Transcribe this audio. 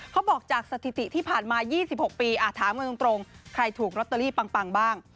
เขาบอกจากสถิติที่ผ่านมา๒๖ปีถามกันตรงใครถูกลอตเตอรี่ปังบ้าง